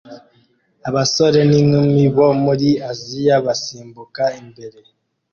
Abasore n'inkumi bo muri Aziya basimbuka imbere